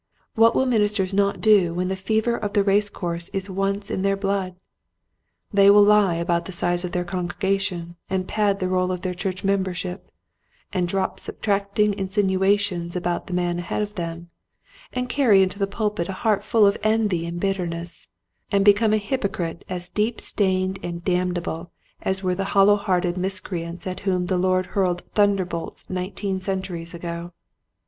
What will ministers not do when the fever of the race course is once in their blood ? They will lie about the size of their congrega tions and pad the roll of their church membership, and drop subtracting insinua tions about the man ahead of them, and carry into the pulpit a heart full of envy and bitterness, and become a hypocrite as deep stained and damnable as were the hollow hearted miscreants at whom the Lord hurled thunderbolts nineteen centu ries ago.